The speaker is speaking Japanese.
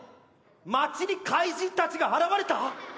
街に怪人たちが現れた！？